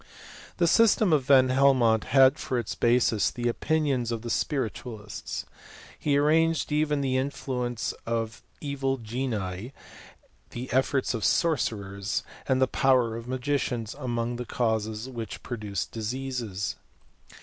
The system of Van Helmont has for its basis the opinions of the spiritualists. He arranged even the influence of evil genii, the efforts of sorcerers, and the power of magicians among the causes which produce diseases.